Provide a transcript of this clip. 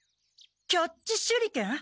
キャッチ手裏剣？